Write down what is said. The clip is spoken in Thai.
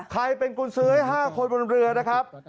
ใครเป็นกุญซื้อให้๕คนบนเรือนะครับ